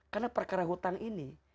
karena perkara hutang ini